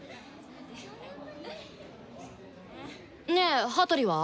ねえ羽鳥は？